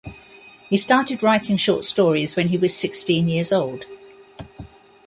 He started writing short stories when he was sixteen years old.